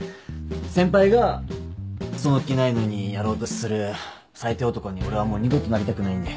先輩がその気ないのにやろうとする最低男に俺はもう二度となりたくないんで。